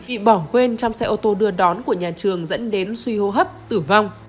bị bỏ quên trong xe ô tô đưa đón của nhà trường dẫn đến suy hô hấp tử vong